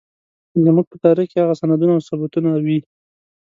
زموږ په تاريخ کې هغه سندونه او ثبوتونه وي.